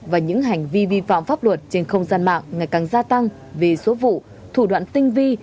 và những hành vi vi phạm pháp luật trên không gian mạng ngày càng gia tăng vì số vụ thủ đoạn tinh vi